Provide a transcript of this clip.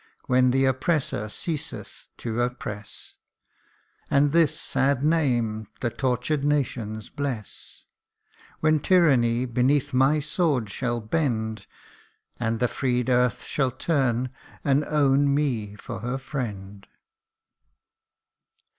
37 When the oppressor ceaseth to oppress, And this sad name the tortured nations bless : When tyranny beneath my sword shall bend, And the freed earth shall turn and own me for her friend